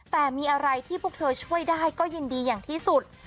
แต่มีอะไรที่พวกเธอช่วยได้ก็ยินดีอย่างที่สุด